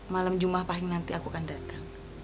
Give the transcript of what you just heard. malam jumah pahing nanti aku akan datang